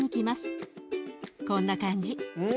こんな感じ。